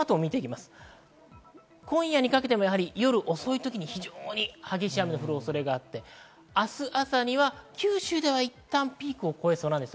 今夜にかけても夜遅い時に非常に激しい雨の降る恐れがあって、明日朝には九州ではいったんピークを越えそうです。